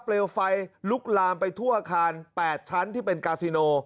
เลวไฟลุกลามไปทั่วอาคาร๘ชั้นที่เป็นกาซิโน